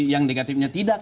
yang negatifnya tidak